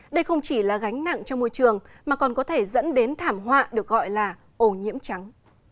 đây không chỉ là gánh nặng cho môi trường mà còn có thể dẫn đến thảm họa được gọi là ô nhiễm trắng